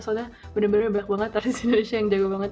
soalnya benar benar banyak banget arsi indonesia yang jago banget